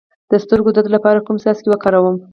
د سترګو د درد لپاره کوم څاڅکي وکاروم؟